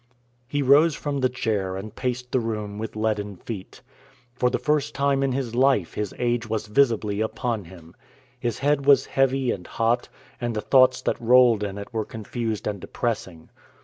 He rose from the chair and paced the room with leaden feet. For the first time in his life his age was visibly upon him. His head was heavy and hot, and the thoughts that rolled in it were confused and depressing.